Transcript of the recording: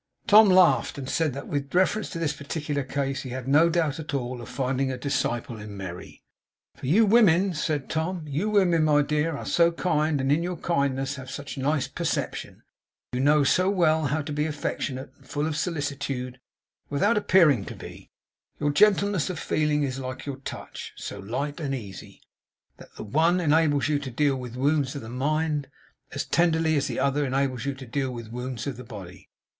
Tom laughed, and said that with reference to this particular case he had no doubt at all of finding a disciple in Merry. 'For you women,' said Tom, 'you women, my dear, are so kind, and in your kindness have such nice perception; you know so well how to be affectionate and full of solicitude without appearing to be; your gentleness of feeling is like your touch so light and easy, that the one enables you to deal with wounds of the mind as tenderly as the other enables you to deal with wounds of the body.